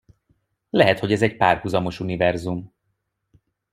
Lehet, hogy ez egy párhuzamos univerzum.